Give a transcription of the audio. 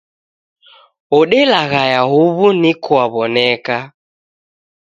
Odelaghaya huw'u niko waw'oneka